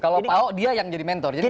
kalau paok dia yang jadi mentor